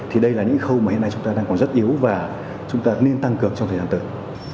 thì đây là những khâu mà hiện nay chúng ta đang còn rất yếu và chúng ta nên tăng cường trong thời gian tới